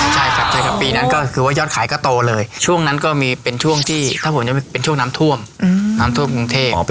ใช่ครับใช่ครับปีนั้นก็คือว่ายอดขายก็โตเลยช่วงนั้นก็มีเป็นช่วงที่ถ้าผมจะเป็นช่วงน้ำท่วมน้ำท่วมกรุงเทพ